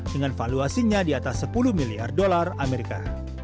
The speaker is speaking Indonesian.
dengan valuasinya di atas sepuluh miliar dolar amerika